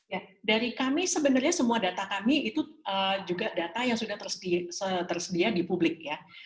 ya dari kami sebenarnya semua data kami itu juga data yang sudah tersedia di publik ya